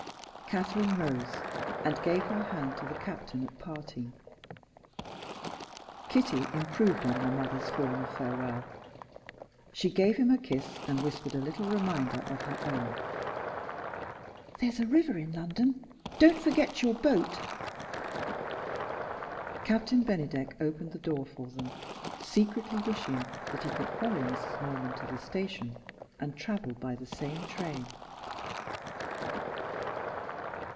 Catherine rose, and gave her hand to the Captain at parting. Kitty improved on her mother's form of farewell; she gave him a kiss and whispered a little reminder of her own: "There's a river in London don't forget your boat." Captain Bennydeck opened the door for them, secretly wishing that he could follow Mrs. Norman to the station and travel by the same train.